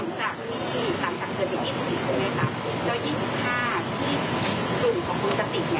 เจ้า๒๕ที่ศูนย์ของคุณสติกเนี่ย